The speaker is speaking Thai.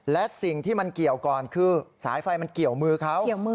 และสิ่งที่มันเกี่ยวก่อนคือสายไฟมันเกี่ยวมือเขา